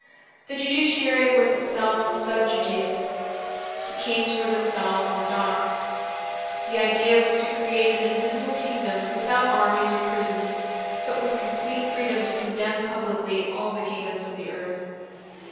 The judiciary was itself sub Juclice. The kings were themselves in the dock. The idea was to create an invisible kingdom without armies or prisons, but with complete freedom to condemn publicly all the kingdoms of the earth.